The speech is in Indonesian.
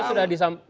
itu sudah disampaikan